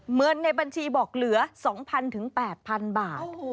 เหมือนในบัญชีบอกเหลือ๒๐๐๘๐๐๐บาท